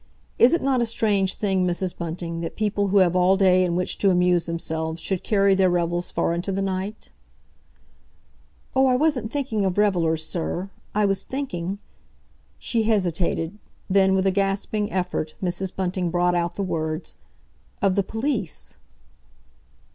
"Is it not a strange thing, Mrs. Bunting, that people who have all day in which to amuse themselves should carry their revels far into the night?" "Oh, I wasn't thinking of revellers, sir; I was thinking"—she hesitated, then, with a gasping effort Mrs. Bunting brought out the words, "of the police."